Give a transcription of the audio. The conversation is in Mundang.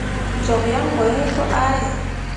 Cok yan bo yiŋ pu ʼahe.